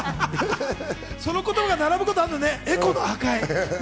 その言葉が並ぶことあるんだね、エコの破壊。